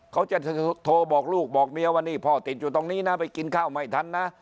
เขาจะโทรบอกลูกบอกเมียว่านี่พ่อติดอยู่ตรงนี้นะไปกินข้าวไม่ทันนะ